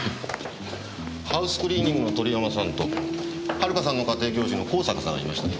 ハウスクリーニングの鳥山さんと遥さんの家庭教師の香坂さんがいましたね。